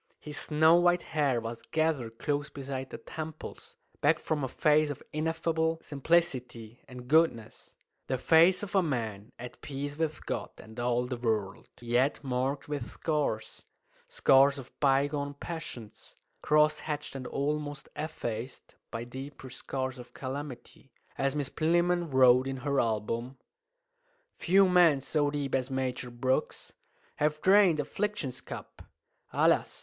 His snow white hair was gathered close beside the temples, back from a face of ineffable simplicity and goodness the face of a man at peace with God and all the world, yet marked with scars scars of bygone passions, cross hatched and almost effaced by deeper scars of calamity. As Miss Plinlimmon wrote in her album "Few men so deep as Major Brooks Have drained affliction's cup. Alas!